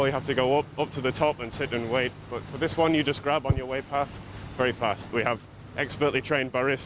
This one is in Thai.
และคุณก็ตัวตัวเป็นส่วนผิดที่เป็นทาง